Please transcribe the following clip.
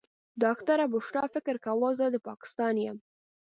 ډاکټره بشرا فکر کاوه زه د پاکستان یم.